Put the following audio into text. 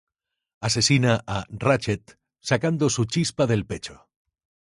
Asesina a Ratchet sacando su chispa del pecho.